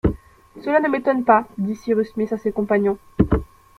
Cela ne m’étonne pas, dit Cyrus Smith à ses compagnons